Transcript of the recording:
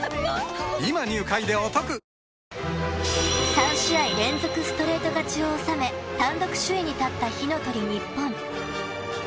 ３試合連続ストレート勝ちを収め単独首位に立った火の鳥ＮＩＰＰＯＮ。